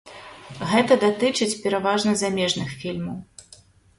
Гэта датычыць пераважна замежных фільмаў.